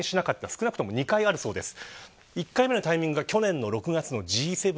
少なくとも２回あるそうです。